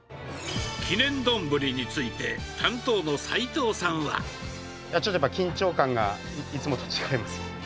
記念丼について、ちょっとやっぱ緊張感がいつもと違います。